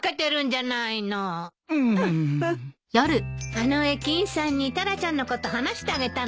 あの駅員さんにタラちゃんのこと話してあげたのよ。